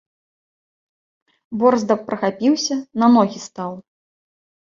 Борзда прахапіўся, на ногі стаў.